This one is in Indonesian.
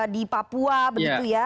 di papua begitu ya